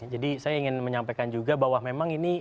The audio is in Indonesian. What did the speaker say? jadi saya ingin menyampaikan juga bahwa memang ini